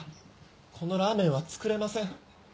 このラーメンは作れません